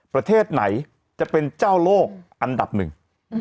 ประเทศไหนจะเป็นเจ้าโลกอันดับหนึ่ง